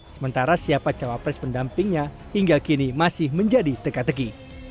sementara siapa cawa pres mendampingnya hingga kini masih menjadi teka teki